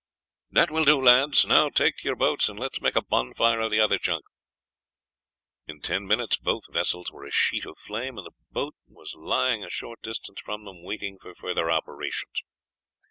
"That will do, lads. Now take to your boats and let's make a bonfire of the other junk." In ten minutes both vessels were a sheet of flame, and the boat was lying a short distance from them waiting for further operations.